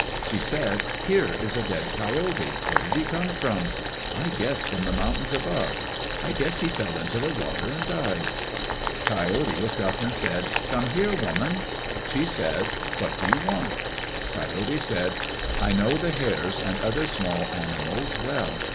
She said, "Here is a dead coyote. Where did he come from? I guess from the mountains above. I guess he fell into the water and died." Coyote looked up and said, "Come here, woman." She said, "What do you want?" Coyote said, "I know the Hares and other small animals well.